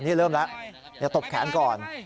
นี่เริ่มแล้วตบแขนก่อน